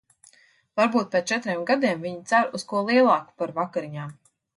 Varbūt pēc četriem gadiem viņa cer uz ko lielāku par vakariņām?